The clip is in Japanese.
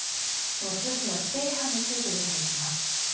このスーツの規定違反について見ていきます。